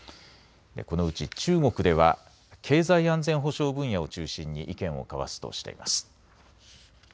このうち中国では経済安全保障分野を中心に意見を交わすとしています。